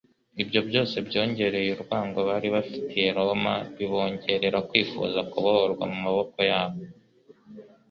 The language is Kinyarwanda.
Ibi byose byongereye urwango bari bafitiye Roma, bibongerera kwifuza kubohorwa mu maboko yabo